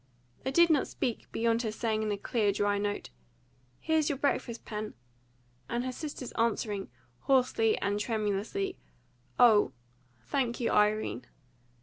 They did not speak, beyond her saying, in a clear dry note, "Here's your breakfast, Pen," and her sister's answering, hoarsely and tremulously, "Oh, thank you, Irene."